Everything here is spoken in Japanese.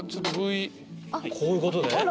こういうことね？